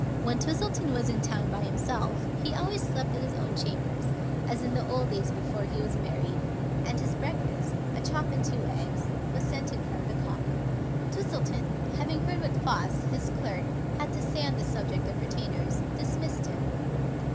When Twistleton was in town by himself he always slept at his own chambers, as in the old days before he was married ; and his breakfast (a chop and two eggs) was sent in from the " Cock." Twistleton, having heard what Foss, his clerk, had to say on the subject of retainers, dismissed him.